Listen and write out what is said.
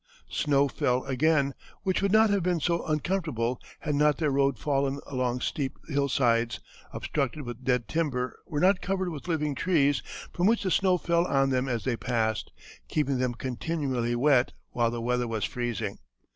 Snow fell again, which would not have been so uncomfortable had not their road fallen along steep hillsides, obstructed with dead timber where not covered with living trees, from which the snow fell on them as they passed, keeping them continually wet while the weather was freezing.